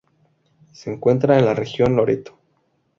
Se encuentra en la región Loreto.